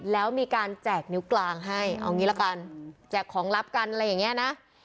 แล้วมีการแจกนิ้วกลางให้เอางี้ละกันแจกของลับกันอะไรอย่างนี้นะ